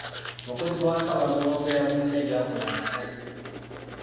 Abakozi b'awaka baamuloopera munne by'akola nga taliiwo.